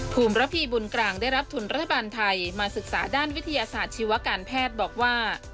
ภูมิระพีบุญกลางได้รับทุนรัฐบาลไทยมาศึกษาด้านวิทยาศาสตร์ชีวการแพทย์บอกว่า